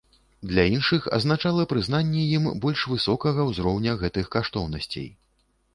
Для іншых азначала прызнанне ім больш высокага ўзроўня гэтых каштоўнасцей.